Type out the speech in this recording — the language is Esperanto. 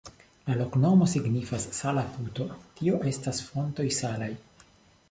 La loknomo signifas sala-puto, tio estas fontoj salaj.